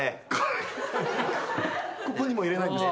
ここにもいれないんですか？